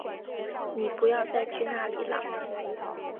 妳不要再去那里了